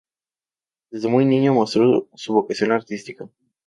Desde muy niño mostró su vocación artística.